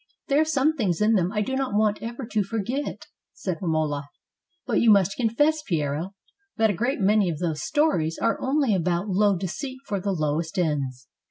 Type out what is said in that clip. "There are some things in them I do not want ever to forget," said Romola; "but you must confess, Piero, that a great many of those stories are only about low deceit for the lowest ends.